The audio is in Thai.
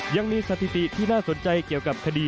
ยังมีสถิติที่น่าสนใจเกี่ยวกับคดี